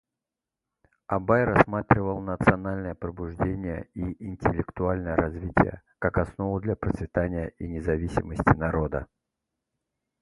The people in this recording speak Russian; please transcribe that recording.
Абай рассматривал национальное пробуждение и интеллектуальное развитие как основу для процветания и независимости народа.